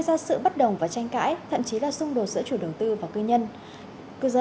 ra sự bất đồng và tranh cãi thậm chí là xung đột giữa chủ đầu tư và cư nhân cư dân